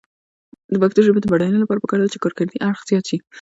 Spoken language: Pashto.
د پښتو ژبې د بډاینې لپاره پکار ده چې کارکردي اړخ زیات شي.